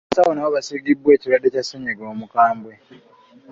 Abasawo nabo basiigibwa ekirwadde kya ssennyiga omukambwe.